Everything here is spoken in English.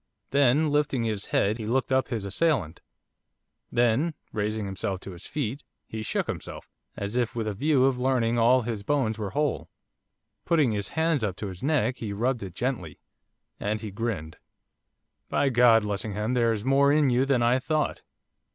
Then, lifting his head, he looked up his assailant. Then, raising himself to his feet, he shook himself, as if with a view of learning if all his bones were whole. Putting his hands up to his neck, he rubbed it, gently. And he grinned. 'By God, Lessingham, there's more in you than I thought.